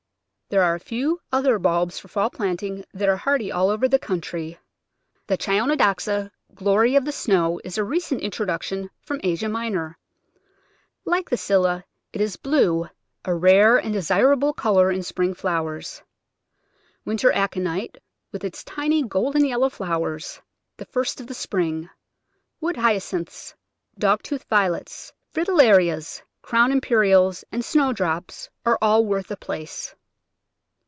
There are a few other bulbs for fall planting that are hardy all over the country. The Chionodoxa, Glory of the Snow, is a recent introduction from Asia Minor. Like the Scilla it is blue, a rare and desirable colour in spring flowers. Winter Aconite, with its tiny, golden yellow flowers, the first of the spring; Wood Hyacinths, Dog tooth Violets, Fritil larias, Crown Imperials, and Snowdrops are all worth a place.